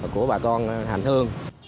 của bà con hành hương